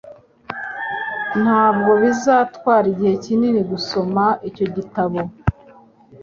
Ntabwo bizatwara igihe kinini gusoma icyo gitabo